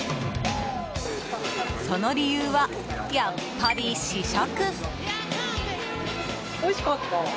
その理由はやっぱり試食。